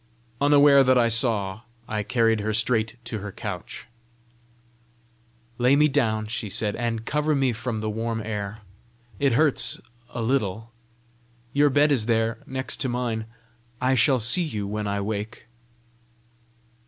Unaware that I saw, I carried her straight to her couch. "Lay me down," she said, "and cover me from the warm air; it hurts a little. Your bed is there, next to mine. I shall see you when I wake."